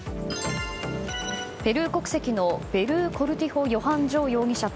ペルー国籍のベルー・コルティホ・ヨハン・ジョー容疑者